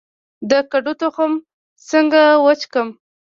د کدو تخم څنګه وچ کړم؟